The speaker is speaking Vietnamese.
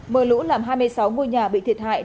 mưa lũ làm hai mươi sáu ngôi nhà bị thiệt hại